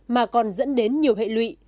mà còn dẫn đến nhiều hệ lụy